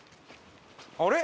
あれ？